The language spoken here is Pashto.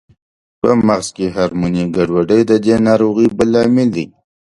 په مغز کې هورموني ګډوډۍ د دې ناروغۍ بل لامل دی.